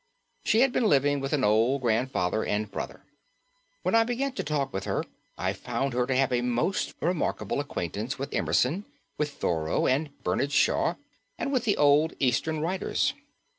She had been living with an old grandfather and brother. When I began to talk with her I found her to have a most remarkable acquaintance with Emerson, with Thoreau, with Bernard Shaw and with the old Eastern writers.